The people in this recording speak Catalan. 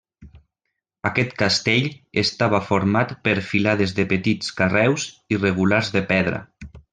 Aquest castell estava format per filades de petits carreus irregulars de pedra.